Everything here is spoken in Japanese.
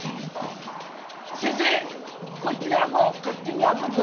先生こっちの箱勝手に開くっぞ。